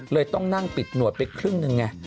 ต้องนั่งปิดหนวดไปครึ่งหนึ่งไง